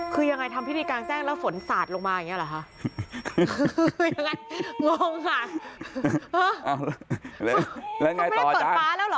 คือยังไงทำพิธีกลางแจ้งแล้วฝนสาดลงมาอย่างนี้หรอค่ะ